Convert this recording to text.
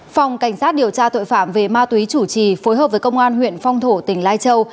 phòng cảnh sát điều tra tội phạm về ma túy chủ trì phối hợp với công an huyện phong thổ tỉnh lai châu